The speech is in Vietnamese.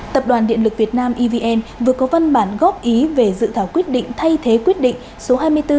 tập đoàn điện lực việt nam evn vừa có văn bản góp ý về dự thảo quyết định thay thế quyết định số hai mươi bốn